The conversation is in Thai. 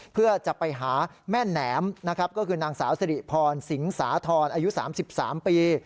เพื่อจะไปหาแม่แหนมนะครับก็คือนางสาวสิริพรสิงสาธรณ์อายุ๓๓ปี